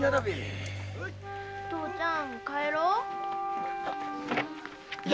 父ちゃん帰ろうよ。